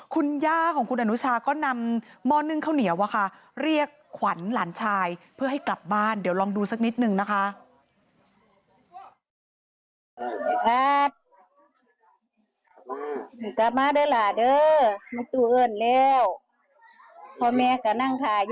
คุณย่าของคุณอนุชาก็นำหม้อนึ่งข้าวเหนียวเรียกขวัญหลานชายเพื่อให้กลับบ้านเดี๋ยวลองดูสักนิดนึงนะคะ